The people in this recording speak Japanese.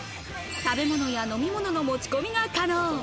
食べ物や飲み物の持ち込みが可能。